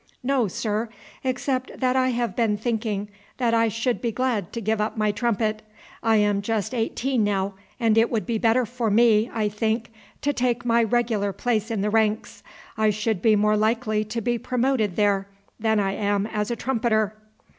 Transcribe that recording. "No, sir, except that I have been thinking that I should be glad to give up my trumpet. I am just eighteen now, and it would be better for me, I think, to take my regular place in the ranks. I should be more likely to be promoted there than I am as a trumpeter."